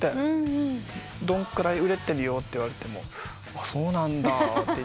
どんくらい売れてるよって言われてもそうなんだって。